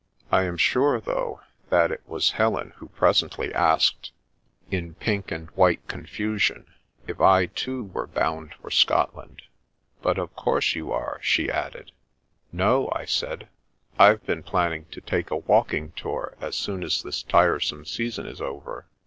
I am sure, though, that it was Helen who presently asked, in 4 The Princess Passes pink and white confusion, if I, too, were bound for Scotland. " But, of course you are," she added. " No," I said. " I've been planning to take a walking tour as soon as this tiresome season is over.